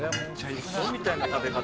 ウソみたいな食べ方。